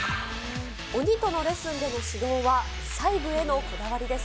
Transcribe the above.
鬼とのレッスンでの指導は細部へのこだわりです。